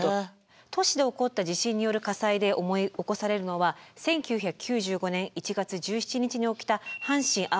都市で起こった地震による火災で思い起こされるのは１９９５年１月１７日に起きた阪神・淡路大震災です。